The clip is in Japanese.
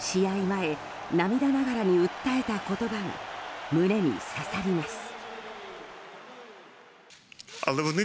前、涙ながらに訴えた言葉が胸に刺さります。